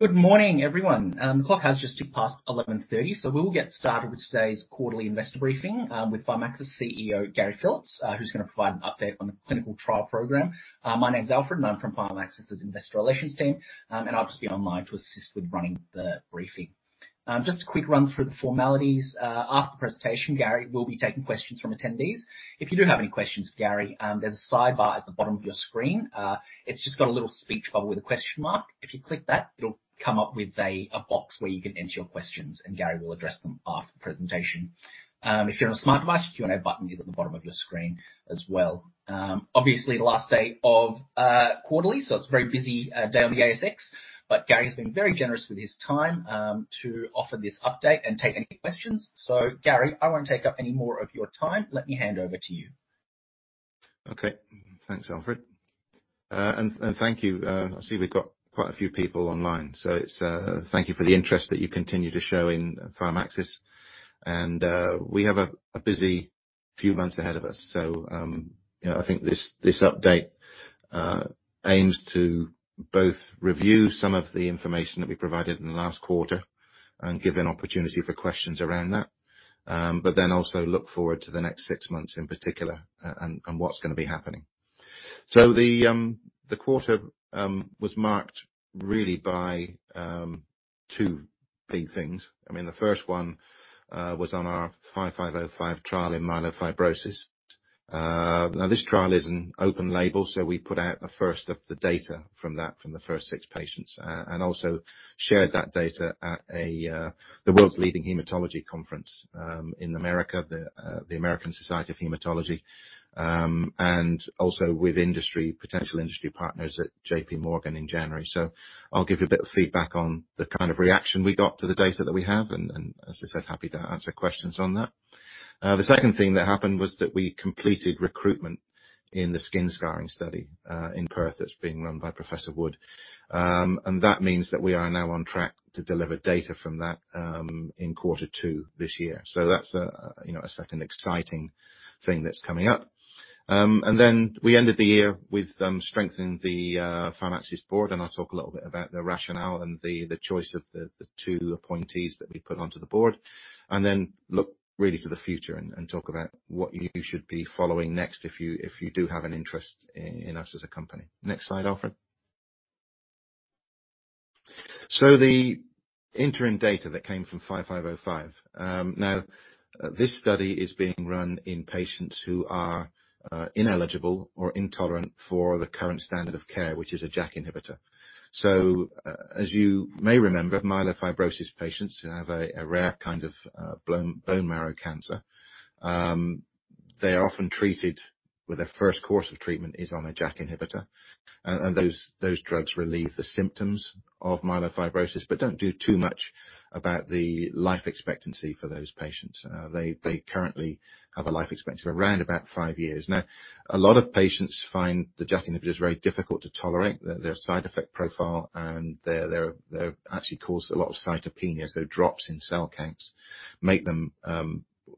Good morning, everyone. The clock has just ticked past 11:30, so we will get started with today's quarterly investor briefing with Syntara CEO Gary Phillips, who's gonna provide an update on the clinical trial program. My name's Alfred, and I'm from Syntara's Investor Relations team, and I'll just be online to assist with running the briefing. Just a quick run through the formalities. After the presentation, Gary will be taking questions from attendees. If you do have any questions for Gary, there's a sidebar at the bottom of your screen. It's just got a little speech bubble with a question mark. If you click that, it'll come up with a box where you can enter your questions, and Gary will address them after the presentation. If you're on a smart device, your Q&A button is at the bottom of your screen as well. Obviously, the last day of a quarterly, so it's very busy down the ASX, but Gary has been very generous with his time to offer this update and take any questions. Gary, I won't take up any more of your time. Let me hand over to you. Okay. Thanks, Alfred. Thank you. I see we've got quite a few people online, so it's, thank you for the interest that you continue to show in Syntara. We have a busy few months ahead of us. You know, I think this update aims to both review some of the information that we provided in the last quarter and give an opportunity for questions around that. Also look forward to the next six months in particular and what's gonna be happening. The quarter was marked really by two big things. I mean, the first one was on our 5505 trial in myelofibrosis. Now this trial is in open-label, so we put out a first of the data from that, from the first six patients, and also shared that data at the world's leading hematology conference in America, the American Society of Hematology, and also with industry, potential industry partners at JPMorgan in January. I'll give you a bit of feedback on the kind of reaction we got to the data that we have, and as I said, happy to answer questions on that. The second thing that happened was that we completed recruitment in the skin scarring study in Perth that's being run by Professor Wood. That means that we are now on track to deliver data from that in quarter two this year. That's a, you know, a second exciting thing that's coming up. Then we ended the year with strengthening the Syntara board, and I'll talk a little bit about the rationale and the choice of the two appointees that we put onto the board. Then look really to the future and talk about what you should be following next if you do have an interest in us as a company. Next slide, Alfred. The interim data that came from PXS-5505. Now this study is being run in patients who are ineligible or intolerant for the current standard of care, which is a JAK inhibitor. As you may remember, myelofibrosis patients who have a rare kind of bone marrow cancer, they are often treated with a first course of treatment is on a JAK inhibitor. Those drugs relieve the symptoms of myelofibrosis, but don't do too much about the life expectancy for those patients. They currently have a life expectancy of around about five years. Now, a lot of patients find the JAK inhibitor is very difficult to tolerate. Their side effect profile and they actually cause a lot of cytopenias, so drops in cell counts, make them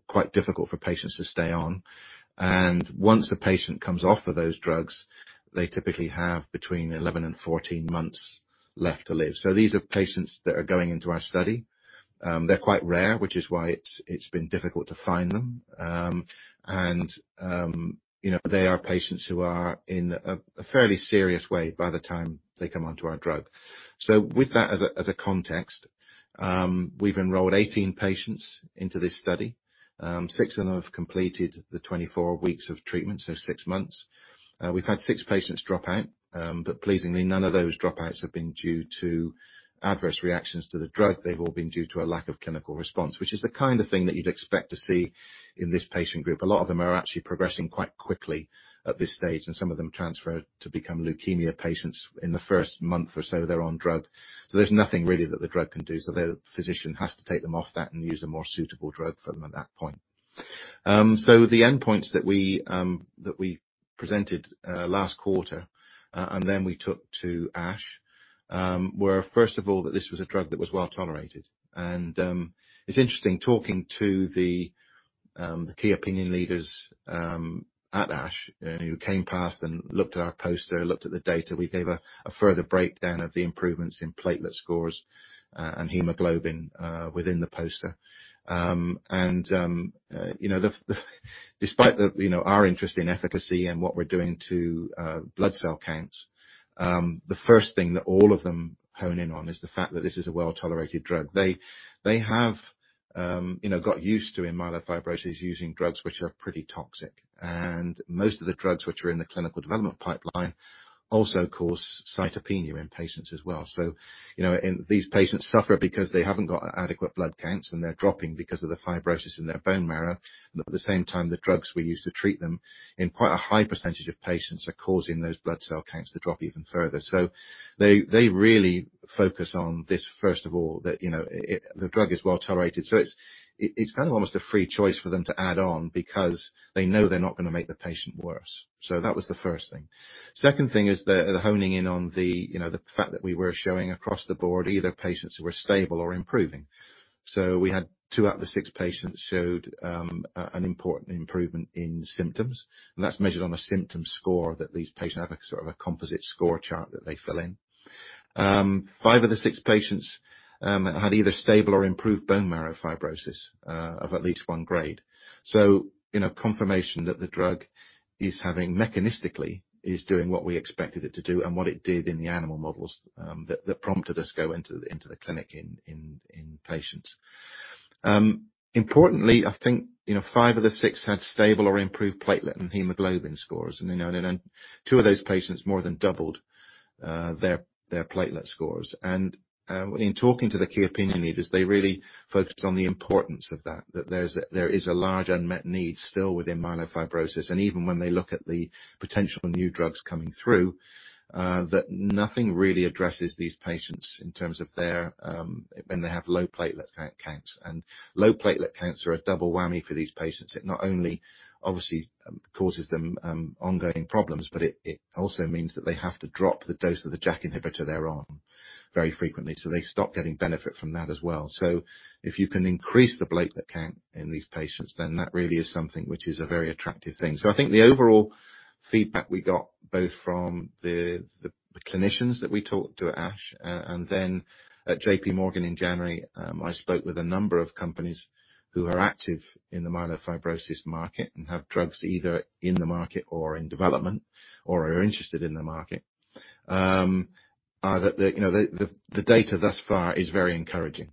quite difficult for patients to stay on. Once a patient comes off of those drugs, they typically have between 11 and 14 months left to live. These are patients that are going into our study. They're quite rare, which is why it's been difficult to find them. You know, they are patients who are in a fairly serious way by the time they come onto our drug. With that as a, as a context, we've enrolled 18 patients into this study. Six of them have completed the 24 weeks of treatment, so six months. We've had six patients drop out, but pleasingly none of those dropouts have been due to adverse reactions to the drug. They've all been due to a lack of clinical response, which is the kind of thing that you'd expect to see in this patient group. A lot of them are actually progressing quite quickly at this stage, and some of them transfer to become leukemia patients in the first month or so they're on drug. There's nothing really that the drug can do, so the physician has to take them off that and use a more suitable drug for them at that point. The endpoints that we presented last quarter and then we took to ASH were first of all, that this was a drug that was well-tolerated. It's interesting talking to the key opinion leaders at ASH and who came past and looked at our poster, looked at the data. We gave a further breakdown of the improvements in platelet scores and hemoglobin within the poster. You know, despite the, you know, our interest in efficacy and what we're doing to blood cell counts, the first thing that all of them hone in on is the fact that this is a well-tolerated drug. They have, you know, got used to, in myelofibrosis, using drugs which are pretty toxic. Most of the drugs which are in the clinical development pipeline also cause cytopenia in patients as well. You know, these patients suffer because they haven't got adequate blood counts, and they're dropping because of the fibrosis in their bone marrow. At the same time, the drugs we use to treat them, in quite a high percentage of patients, are causing those blood cell counts to drop even further. They really focus on this, first of all, that, you know, the drug is well-tolerated. It's kind of almost a free choice for them to add on because they know they're not gonna make the patient worse. That was the first thing. Second thing is the honing in on the, you know, the fact that we were showing across the board either patients who were stable or improving. We had two out of the six patients showed an important improvement in symptoms, and that's measured on a symptom score that these patients have, like sort of a composite score chart that they fill in. Five of the six patients had either stable or improved bone marrow fibrosis of at least one grade. You know, confirmation that the drug mechanistically, is doing what we expected it to do and what it did in the animal models, that prompted us go into the clinic in patients. Importantly, I think, you know, five of the six had stable or improved platelet and hemoglobin scores. Two of those patients more than doubled their platelet scores. When in talking to the key opinion leaders, they really focused on the importance of that. There is a large unmet need still within myelofibrosis, and even when they look at the potential new drugs coming through, that nothing really addresses these patients in terms of their when they have low platelet counts. Low platelet counts are a double whammy for these patients. It not only obviously causes them ongoing problems, but it also means that they have to drop the dose of the JAK inhibitor they're on very frequently, so they stop getting benefit from that as well. If you can increase the platelet count in these patients, then that really is something which is a very attractive thing. I think the overall feedback we got, both from the clinicians that we talked to at ASH, and then at JPMorgan in January, I spoke with a number of companies who are active in the myelofibrosis market and have drugs either in the market or in development or are interested in the market. You know, the data thus far is very encouraging.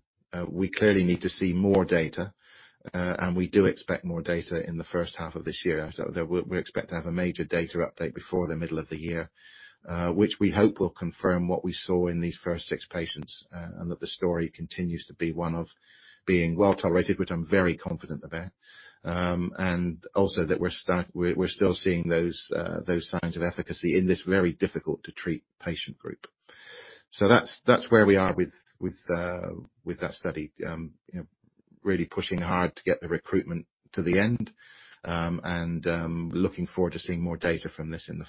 We clearly need to see more data, and we do expect more data in the first half of this year. We expect to have a major data update before the middle of the year, which we hope will confirm what we saw in these first six patients, and that the story continues to be one of being well tolerated, which I'm very confident about. Also that we're still seeing those signs of efficacy in this very difficult to treat patient group. That's where we are with that study. You know, really pushing hard to get the recruitment to the end. And looking forward to seeing more data from this in the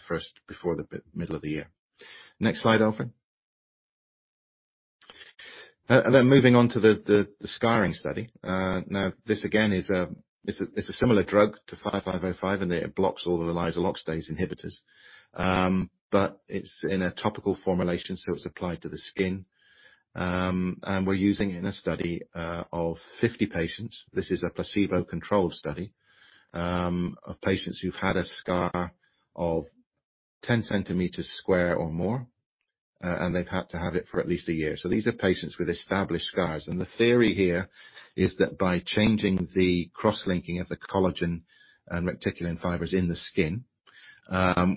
first before the middle of the year. Next slide, Alfred. Moving on to the scarring study. Now, this again is a similar drug to PXS-5505, and it blocks all of the lysyl oxidase inhibitors. It's in a topical formulation, so it's applied to the skin. We're using it in a study of 50 patients. This is a placebo-controlled study of patients who've had a scar of 10 centimeters square or more, and they've had to have it for at least one year. These are patients with established scars. The theory here is that by changing the cross-linking of the collagen and reticulin fibers in the skin,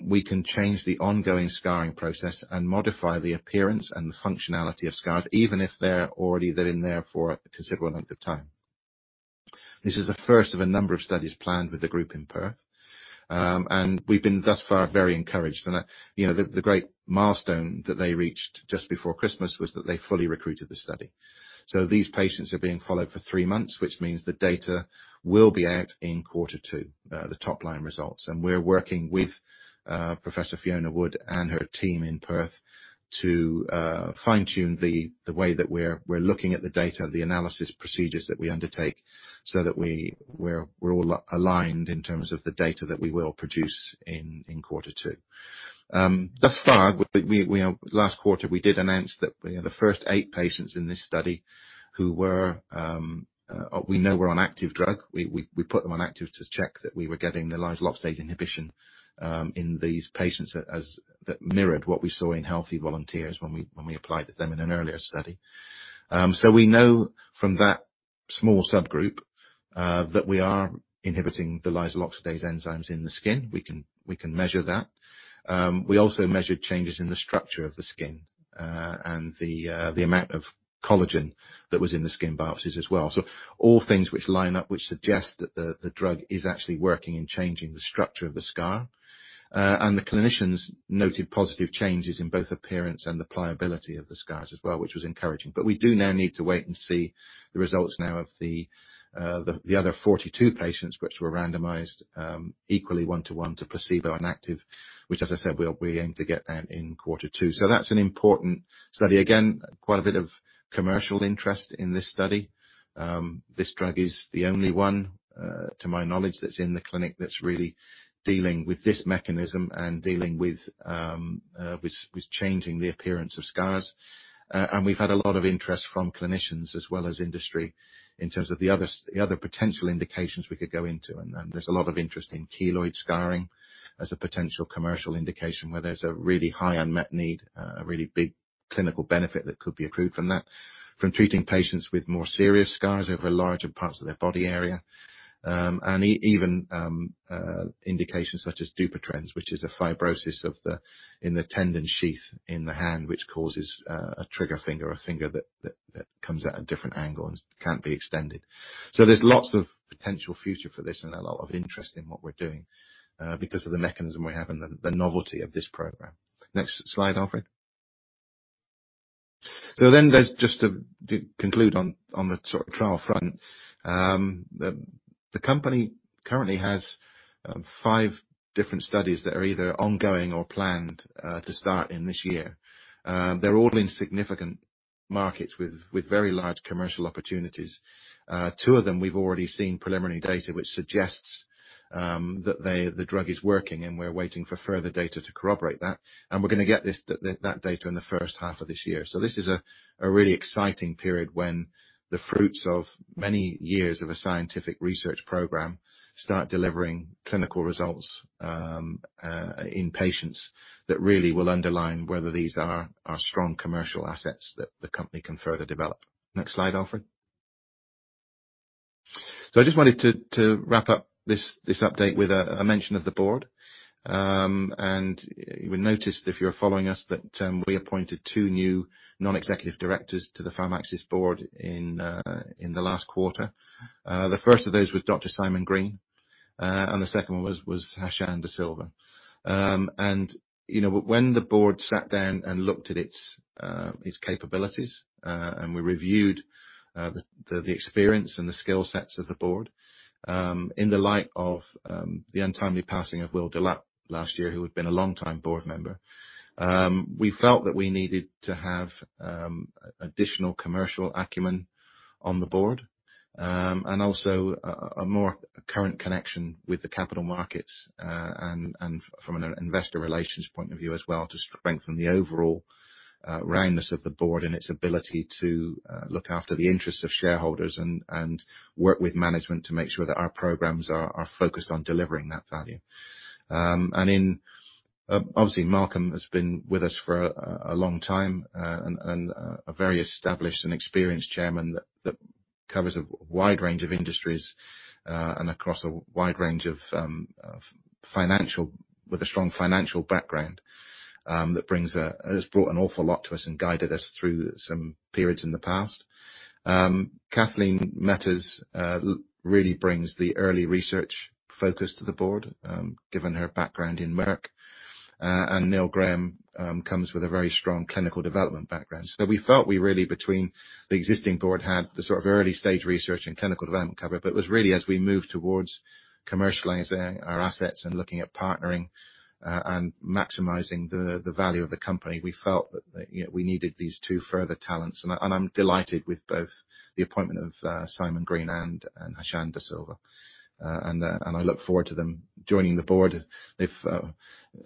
we can change the ongoing scarring process and modify the appearance and the functionality of scars, even if they're already been in there for a considerable length of time. This is the first of a number of studies planned with the group in Perth, and we've been thus far, very encouraged. You know, the great milestone that they reached just before Christmas was that they fully recruited the study. These patients are being followed for three months, which means the data will be out in quarter two, the top line results. We're working with Professor Fiona Wood and her team in Perth to fine-tune the way that we're looking at the data, the analysis procedures that we undertake, so that we're all aligned in terms of the data that we will produce in quarter two. Thus far, last quarter, we did announce that, you know, the first eight patients in this study who were, we know were on active drug. We put them on active to check that we were getting the lysyl oxidase inhibition in these patients as that mirrored what we saw in healthy volunteers when we applied them in an earlier study. We know from that small subgroup that we are inhibiting the lysyl oxidase enzymes in the skin. We can measure that. We also measured changes in the structure of the skin and the amount of collagen that was in the skin biopsies as well. All things which line up, which suggest that the drug is actually working in changing the structure of the scar. The clinicians noted positive changes in both appearance and the pliability of the scars as well, which was encouraging. We do now need to wait and see the results now of the other 42 patients which were randomized 1-to-1 to placebo and active, which, as I said, we aim to get them in quarter two. That's an important study. Again, quite a bit of commercial interest in this study. This drug is the only one, to my knowledge, that's in the clinic that's really dealing with this mechanism and dealing with changing the appearance of scars. We've had a lot of interest from clinicians as well as industry in terms of the other potential indications we could go into. There's a lot of interest in keloid scarring as a potential commercial indication, where there's a really high unmet need, a really big clinical benefit that could be accrued from that, from treating patients with more serious scars over larger parts of their body area. Even indications such as Dupuytren's, which is a fibrosis in the tendon sheath in the hand, which causes a trigger finger or a finger that comes at a different angle and can't be extended. There's lots of potential future for this and a lot of interest in what we're doing because of the mechanism we have and the novelty of this program. Next slide, Alfred. There's just to conclude on the sort of trial front. The company currently has five different studies that are either ongoing or planned to start in this year. They're all in significant markets with very large commercial opportunities. Two of them, we've already seen preliminary data which suggests the drug is working, and we're waiting for further data to corroborate that. We're gonna get this, that data in the first half of this year. This is a really exciting period when the fruits of many years of a scientific research program start delivering clinical results in patients that really will underline whether these are strong commercial assets that the company can further develop. Next slide, Alfred. I just wanted to wrap up this update with a mention of the board. You would notice if you were following us that we appointed two new non-executive directors to the Syntara board in the last quarter. The first of those was Dr. Simon Green, the second one was Hashan De Silva. You know, when the board sat down and looked at its capabilities, we reviewed the experience and the skill sets of the board in the light of the untimely passing of Will Delaat last year, who had been a long-time board member, we felt that we needed to have additional commercial acumen on the board. Also a more current connection with the capital markets, from an investor relations point of view as well, to strengthen the overall roundness of the board and its ability to look after the interests of shareholders and work with management to make sure that our programs are focused on delivering that value. Obviously, Malcolm has been with us for a long time, a very established and experienced chairman that covers a wide range of industries, and across a wide range of with a strong financial background, that has brought an awful lot to us and guided us through some periods in the past. Kathleen Metters really brings the early research focus to the board, given her background in Merck. Neil Graham comes with a very strong clinical development background. We felt we really, between the existing board, had the sort of early-stage research and clinical development covered. Was really as we moved towards commercializing our assets and looking at partnering, and maximizing the value of the company, we felt that, you know, we needed these two further talents. I, and I'm delighted with both the appointment of Simon Green and Hashan De Silva. I look forward to them joining the board if.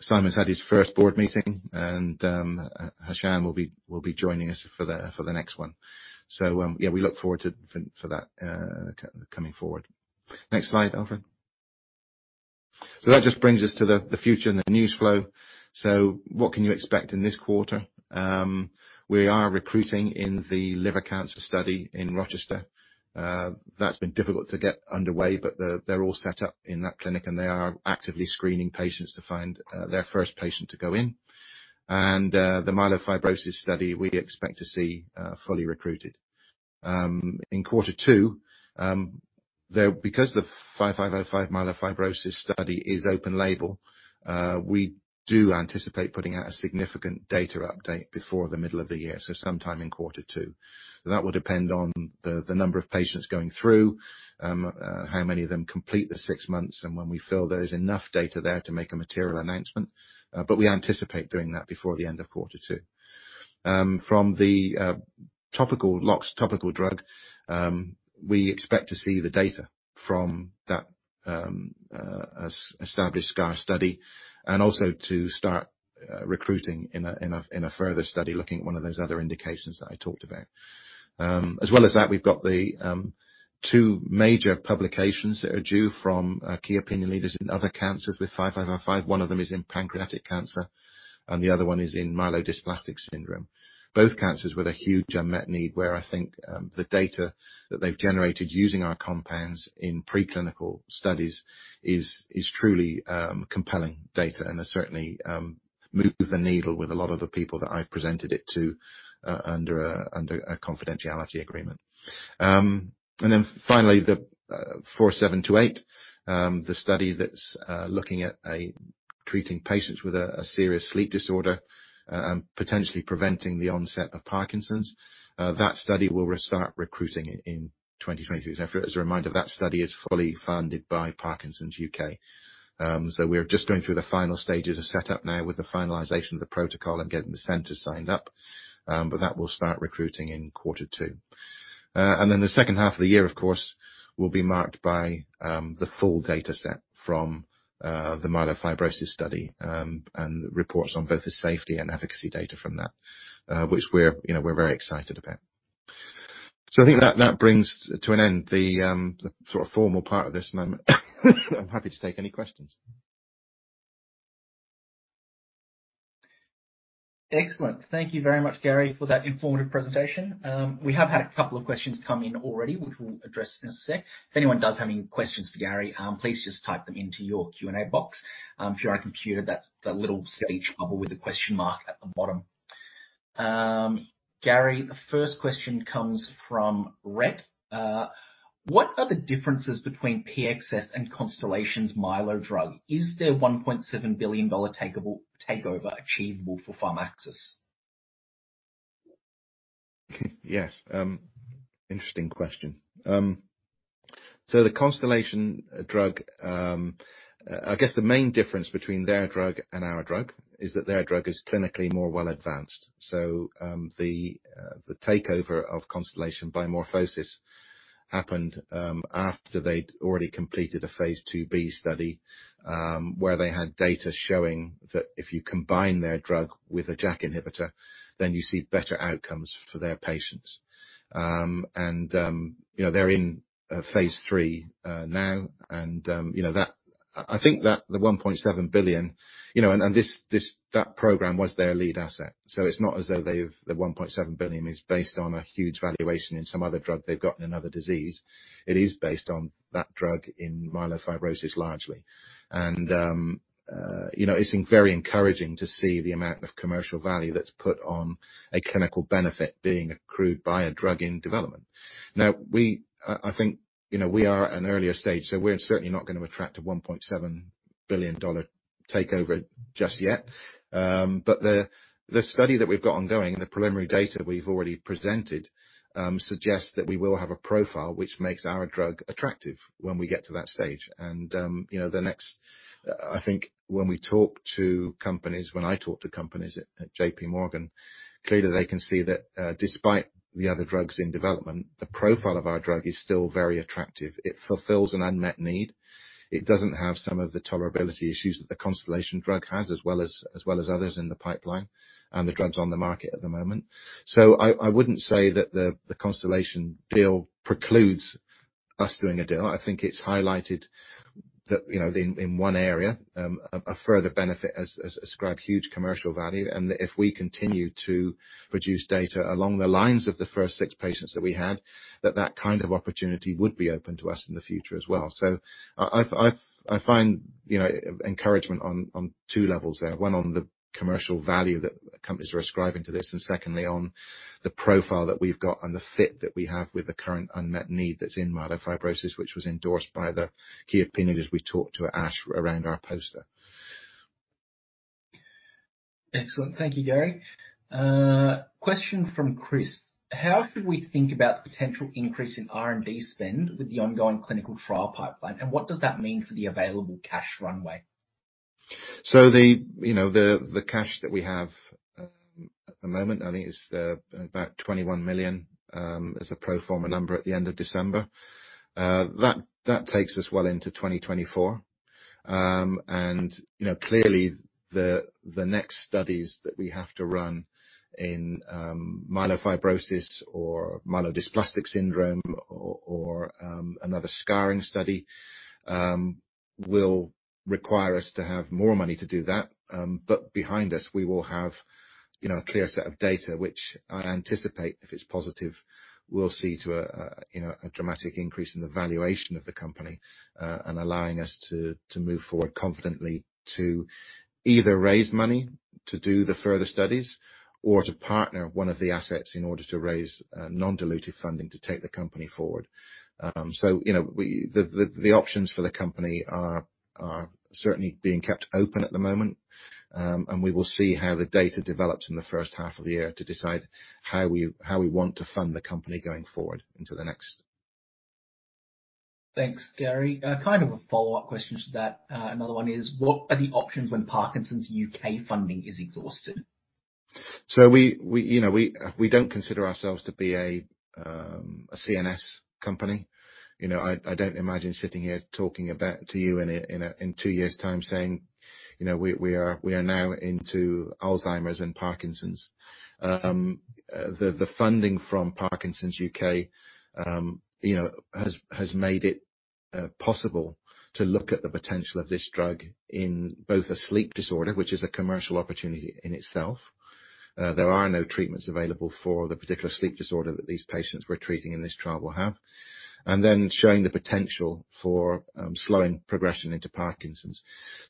Simon's had his first board meeting and Hashan will be joining us for the next one. Yeah, we look forward to for that coming forward. Next slide, Alfred. That just brings us to the future and the news flow. What can you expect in this quarter? We are recruiting in the liver cancer study in Rochester. That's been difficult to get underway, but they're all set up in that clinic, and they are actively screening patients to find their first patient to go in. The myelofibrosis study, we expect to see fully recruited. In quarter two, because the PXS-5505 myelofibrosis study is open-label, we do anticipate putting out a significant data update before the middle of the year, so sometime in quarter two. That will depend on the number of patients going through, how many of them complete the six months, and when we feel there's enough data there to make a material announcement. We anticipate doing that before the end of quarter two. From the LOX topical drug, we expect to see the data from that established scar study, also to start recruiting in a further study looking at one of those other indications that I talked about. As well as that, we've got the two major publications that are due from key opinion leaders in other cancers with PXS-5505. One of them is in pancreatic cancer and the other one is in myelodysplastic syndrome. Both cancers with a huge unmet need, where I think the data that they've generated using our compounds in preclinical studies is truly compelling data and has certainly moved the needle with a lot of the people that I've presented it to under a confidentiality agreement. Finally, the PXS-4728, the study that's looking at treating patients with a serious sleep disorder, potentially preventing the onset of Parkinson's, that study will restart recruiting in 2023. As a reminder, that study is fully funded by Parkinson's UK. We're just going through the final stages of setup now with the finalization of the protocol and getting the centers signed up. That will start recruiting in quarter two. The second half of the year, of course, will be marked by the full data set from the myelofibrosis study, and reports on both the safety and efficacy data from that, which we're, you know, we're very excited about. I think that brings to an end the sort of formal part of this moment. I'm happy to take any questions. Excellent. Thank you very much, Gary, for that informative presentation. We have had a couple of questions come in already, which we'll address in a sec. If anyone does have any questions for Gary, please just type them into your Q&A box. If you're on a computer, that's the little speech bubble with the question mark at the bottom. Gary, the first question comes from Rhett. What are the differences between PXS and Constellation's Mylo drug? Is their $1.7 billion takeover achievable for Syntara? Yes. Interesting question. The Constellation drug, I guess the main difference between their drug and our drug is that their drug is clinically more well-advanced. The takeover of Constellation by MorphoSys happened after they'd already completed a Phase 2b study, where they had data showing that if you combine their drug with a JAK inhibitor, then you see better outcomes for their patients. You know, they're in Phase III now. I think that the $1.7 billion, you know, that program was their lead asset, so it's not as though they've. The $1.7 billion is based on a huge valuation in some other drug they've got in another disease. It is based on that drug in myelofibrosis largely. You know, it's been very encouraging to see the amount of commercial value that's put on a clinical benefit being accrued by a drug in development. Now, I think, you know, we are at an earlier stage, so we're certainly not gonna attract a $1.7 billion takeover just yet. The study that we've got ongoing and the preliminary data we've already presented suggests that we will have a profile which makes our drug attractive when we get to that stage. You know, the next, I think when we talk to companies, when I talk to companies at JPMorgan, clearly they can see that, despite the other drugs in development, the profile of our drug is still very attractive. It fulfills an unmet need. It doesn't have some of the tolerability issues that the Constellation drug has, as well as others in the pipeline, and the drugs on the market at the moment. I wouldn't say that the Constellation deal precludes us doing a deal. I think it's highlighted that, you know, in one area, a further benefit as ascribed huge commercial value, and that if we continue to produce data along the lines of the first six patients that we had, that kind of opportunity would be open to us in the future as well. I find, you know, encouragement on two levels there. One, on the commercial value that companies are ascribing to this, and secondly, on the profile that we've got and the fit that we have with the current unmet need that's in myelofibrosis, which was endorsed by the key opinion as we talked to at, around our poster. Excellent. Thank you, Gary. Question from Chris: How should we think about the potential increase in R&D spend with the ongoing clinical trial pipeline, and what does that mean for the available cash runway? The, you know, the cash that we have, at the moment, I think it's, about 21 million, as a pro forma number at the end of December. That takes us well into 2024. You know, clearly the next studies that we have to run in, myelofibrosis or myelodysplastic syndrome or another scarring study, will require us to have more money to do that. Behind us, we will have, you know, a clear set of data which I anticipate, if it's positive, will see to a, you know, a dramatic increase in the valuation of the company, and allowing us to move forward confidently to either raise money to do the further studies or to partner one of the assets in order to raise non-dilutive funding to take the company forward. You know, the options for the company are certainly being kept open at the moment. We will see how the data develops in the first half of the year to decide how we want to fund the company going forward into the next. Thanks, Gary. Kind of a follow-up question to that. Another one is, what are the options when Parkinson's UK funding is exhausted? We, you know, we don't consider ourselves to be a CNS company. You know, I don't imagine sitting here talking to you in two years' time saying, you know, we are now into Alzheimer's and Parkinson's. The funding from Parkinson's UK, you know, has made it possible to look at the potential of this drug in both a sleep disorder, which is a commercial opportunity in itself. There are no treatments available for the particular sleep disorder that these patients we're treating in this trial have. showing the potential for slowing progression into Parkinson's.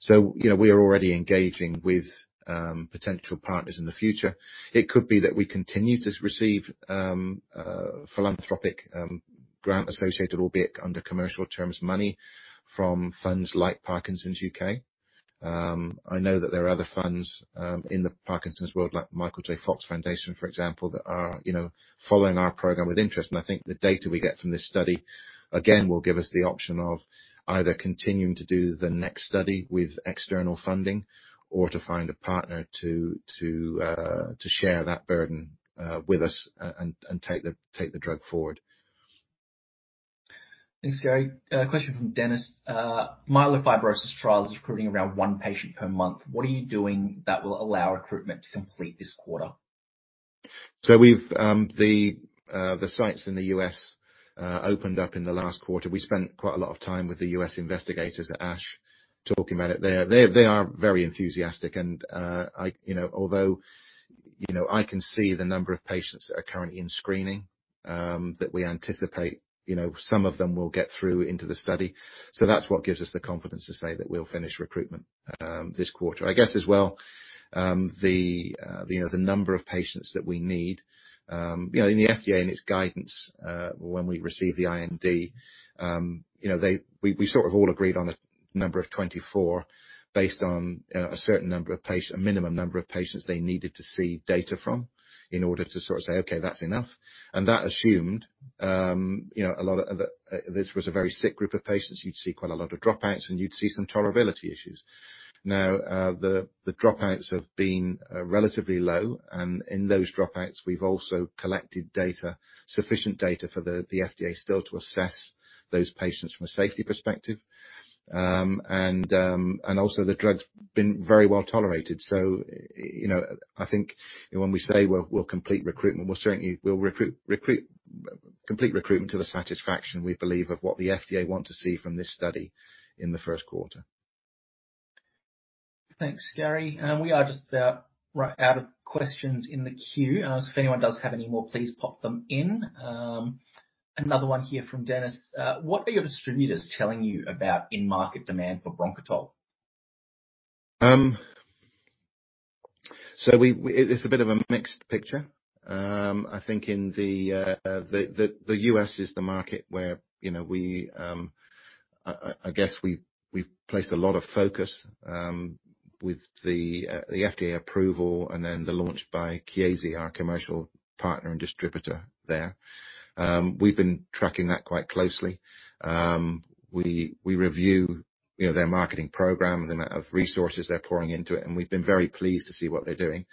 you know, we are already engaging with potential partners in the future. It could be that we continue to receive, philanthropic, grant associated, albeit under commercial terms, money from funds like Parkinson's UK. I know that there are other funds, in the Parkinson's world, like Michael J. Fox Foundation, for example, that are, you know, following our program with interest. I think the data we get from this study, again, will give us the option of either continuing to do the next study with external funding or to find a partner to share that burden, with us and take the drug forward. Thanks, Gary. Question from Dennis. Myelofibrosis trials is recruiting around one patient per month. What are you doing that will allow recruitment to complete this quarter? We've, the sites in the US opened up in the last quarter. We spent quite a lot of time with the US investigators at ASH talking about it. They're, they are very enthusiastic and I, you know, although, you know, I can see the number of patients that are currently in screening that we anticipate, you know, some of them will get through into the study. That's what gives us the confidence to say that we'll finish recruitment this quarter. I guess as well, you know, the number of patients that we need, you know, in the FDA and its guidance, when we receive the IND, you know, we sort of all agreed on a number of 24 based on a certain minimum number of patients they needed to see data from in order to sort of say, "Okay, that's enough." That assumed, a lot of this was a very sick group of patients. You'd see quite a lot of dropouts, and you'd see some tolerability issues. Now, the dropouts have been relatively low, and in those dropouts we've also collected data, sufficient data for the FDA still to assess those patients from a safety perspective. Also the drug's been very well-tolerated. You know, I think when we say we'll complete recruitment, we'll certainly complete recruitment to the satisfaction we believe of what the FDA want to see from this study in the first quarter. Thanks, Gary. We are just about right out of questions in the queue. If anyone does have any more, please pop them in. Another one here from Dennis. What are your distributors telling you about in-market demand for Bronchitol? It's a bit of a mixed picture. I think in the U.S. is the market where, you know, we, I guess we've placed a lot of focus with the FDA approval and then the launch by Chiesi, our commercial partner and distributor there. We've been tracking that quite closely. We review, you know, their marketing program, the amount of resources they're pouring into it, and we've been very pleased to see what they're doing.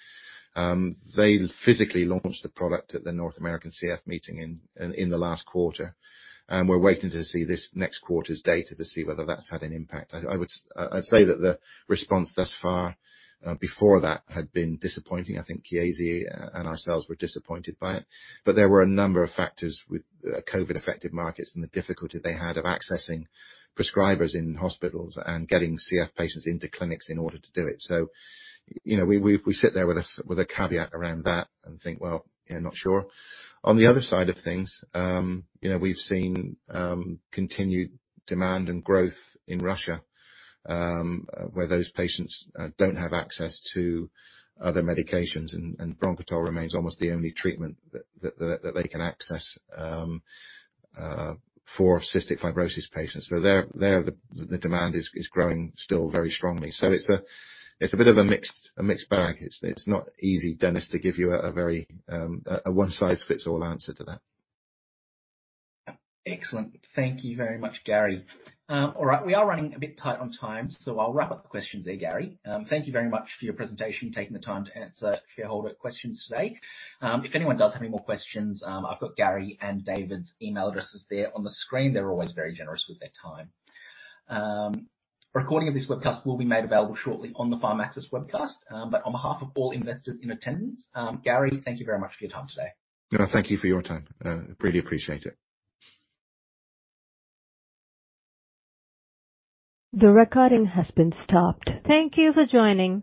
They physically launched the product at the North American CF meeting in the last quarter. We're waiting to see this next quarter's data to see whether that's had an impact. I'd say that the response thus far before that had been disappointing. I think Chiesi and ourselves were disappointed by it. There were a number of factors with COVID-affected markets and the difficulty they had of accessing prescribers in hospitals and getting CF patients into clinics in order to do it. You know, we sit there with a, with a caveat around that and think, "Well, yeah, not sure." On the other side of things, you know, we've seen continued demand and growth in Russia, where those patients don't have access to other medications and Bronchitol remains almost the only treatment that they can access for cystic fibrosis patients. There, the demand is growing still very strongly. It's a, it's a bit of a mixed, a mixed bag. It's, it's not easy, Dennis, to give you a very a one-size-fits-all answer to that. Excellent. Thank you very much, Gary. All right. We are running a bit tight on time, so I'll wrap up the questions there, Gary. Thank you very much for your presentation, taking the time to answer shareholder questions today. If anyone does have any more questions, I've got Gary and David's email addresses there on the screen. They're always very generous with their time. A recording of this webcast will be made available shortly on the Syntara webcast. On behalf of all invested in attendance, Gary, thank you very much for your time today. No, thank you for your time. Really appreciate it. The recording has been stopped. Thank you for joining.